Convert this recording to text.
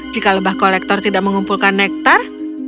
jika lebah kolektor tidak mengumpulkan nektar